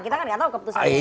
kita kan gak tahu keputusannya